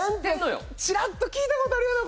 ちらっと聞いたことあるよな